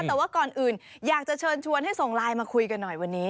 แต่ว่าก่อนอื่นอยากจะเชิญชวนให้ส่งไลน์มาคุยกันหน่อยวันนี้